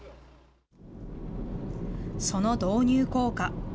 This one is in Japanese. その導入効果。